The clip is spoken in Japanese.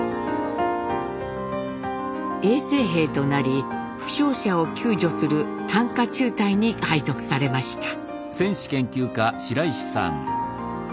衛生兵となり負傷者を救助する担架中隊に配属されました。